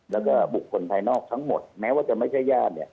แล้วก็บุคคลภายนอกทั้งหมดแม้ว่าจะไม่ใช่ญาติเนี่ย